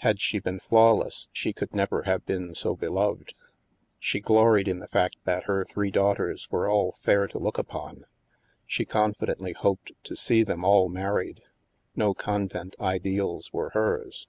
Had she been flawless, she could, never have been so beloved. She gloried in the fact that her three daughters were all fair to look upon; she confidently hoped to see them all married. No convent ideals were hers.